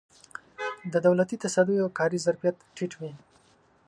د دولتي تصدیو کاري ظرفیت ټیټ وي.